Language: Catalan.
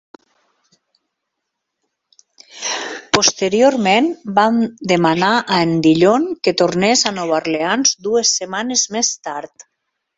Posteriorment van demanar a en Dillon que tornés a Nova Orleans dues setmanes més tard.